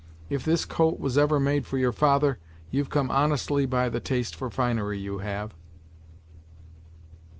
If this coat was ever made for your father, you've come honestly by the taste for finery, you have."